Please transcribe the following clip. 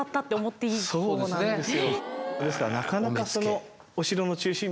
はいそうなんですよ。